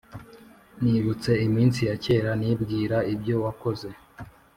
Nibutse iminsi yakera nibwira ibyo wakoze